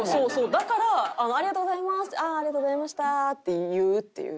だから「ありがとうございます」「ありがとうございました」って言うっていう。